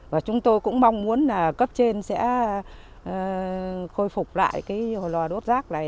và chúng tôi cũng mong muốn là cấp trên sẽ khôi phục lại cái lò đốt rác này